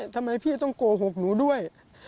ทำไมพี่ต้องโกหกหนูด้วย